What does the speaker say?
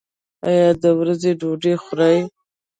ایا د ورځې ډوډۍ خورئ؟